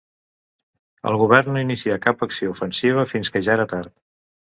El Govern no inicià cap acció ofensiva fins que ja era tard